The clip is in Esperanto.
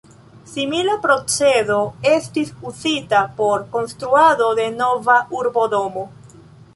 Simila procedo estis uzita por konstruado de Nova urbodomo.